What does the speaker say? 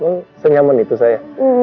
lo senyaman itu saya